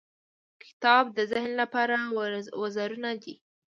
• کتاب د ذهن لپاره وزرونه دي.